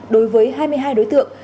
đối với hai mươi hai đối tượng